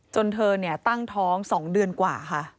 เธอตั้งท้อง๒เดือนกว่าค่ะ